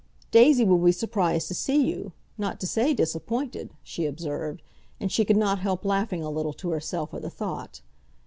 "Daisy will be surprised to see you—not to say disappointed!" she observed, and she could not help laughing a little to herself at the thought.